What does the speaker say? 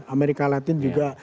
amerika latin juga